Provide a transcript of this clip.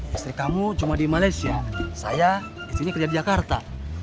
istri kamu cuma di malaysia saya di sini kerja di jakarta